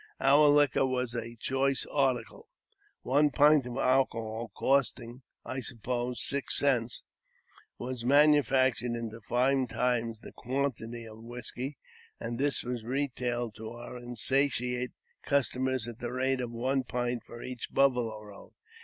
Our liquor was a choice article. One pint of alcohol, costing, I suppose, six cents, was manufac tured into five times the quantity of whisky, and this was retailed to our insatiate customers at the rate of one pint for each buffalo robe.